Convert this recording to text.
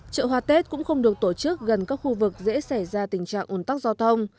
chợ hoa tết cũng không được tổ chức gần các khu vực dễ xảy ra tình trạng ồn tắc giao thông